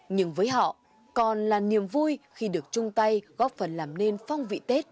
nhưng với họ còn là niềm vui khi được chung tay góp phần làm nên phong vị tết